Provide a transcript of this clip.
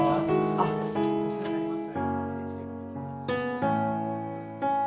あっお世話になります。